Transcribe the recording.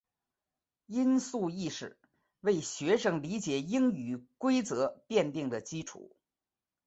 音素意识为学生理解英语规则奠定了基础。